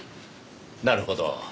なるほど。